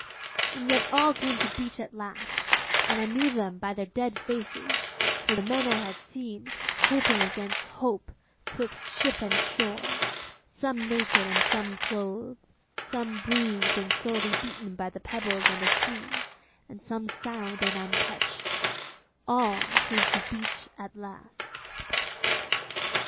And yet all came to beach at last, and I knew them by their dead faces for the men I had seen hoping against hope 'twixt ship and shore; some naked and some clothed, some bruised and sorely beaten by the pebbles and the sea, and some sound and untouched all came to beach at last.